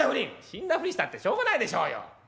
「死んだふりしたってしょうがないでしょうよ。